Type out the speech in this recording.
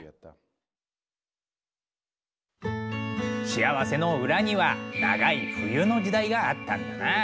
幸せの裏には長い冬の時代があったんだな。